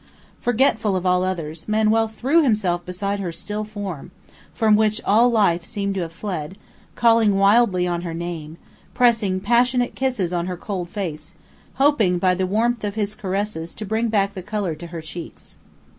Forgetful of all others, Manuel threw himself beside her still form, from which all life seemed to have fled, calling wildly on her name, pressing passionate kisses on her cold face, hoping by the warmth of his caresses to bring back the color to her cheeks.